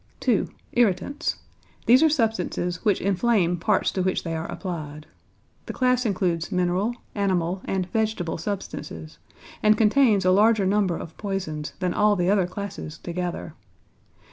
2. =Irritants.= These are substances which inflame parts to which they are applied. The class includes mineral, animal, and vegetable substances, and contains a larger number of poisons than all the other classes together.